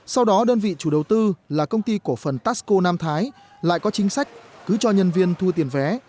sau đó đơn vị chủ đầu tư là công ty cổ phần taxco nam thái lại có chính sách cứ cho nhân viên thu tiền vé